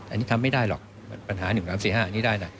อันนี้ทำไม่ได้หรอกปัญหา๑๓๔๕อันนี้ได้นะ